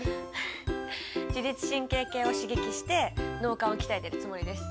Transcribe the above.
自律神経系を刺激して脳幹を鍛えてるつもりです。